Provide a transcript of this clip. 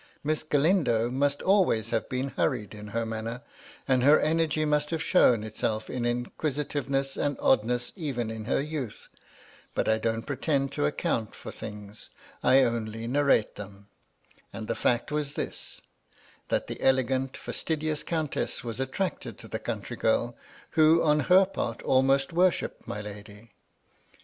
Miss Galindo must always have been hurried in her manner, and her energy must haye shown itself in inquisitiveness and oddness even in her youth. But I don't pretend to account for things : I only narrate them. And the fact was this :— ^that the elegant, fastidious Countess was attracted to the country girl, who on her part almost worshipped my lady.